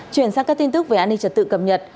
chuyển sang các tin tức về an ninh trật tự cập nhật